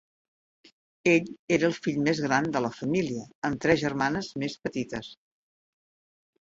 Ell era el fill més gran de la família, amb tres germanes més petites.